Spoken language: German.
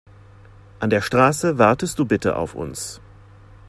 An der Straße wartest du bitte auf uns.